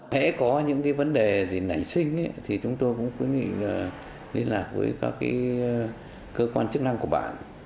hãy có những cái vấn đề gì nảy sinh thì chúng tôi cũng quyết định liên lạc với các cơ quan chức năng của bạn